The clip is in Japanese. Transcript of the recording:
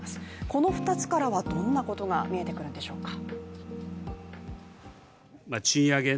この２つからはどんなことが見えてくるんでしょうか。